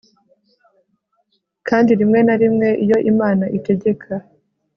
kandi rimwe na rimwe, iyo imana itegeka